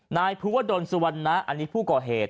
นายภูวดลสุวรรณะอันนี้ผู้ก่อเหตุ